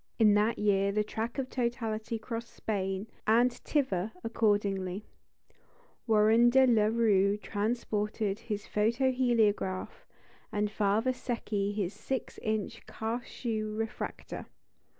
In that year the track of totality crossed Spain, and thither, accordingly, Warren de la Rue transported his photo heliograph, and Father Secchi his six inch Cauchoix refractor.